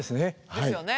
ですよね。